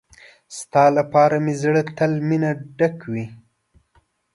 ستا لپاره مې زړه تل مينه ډک وي.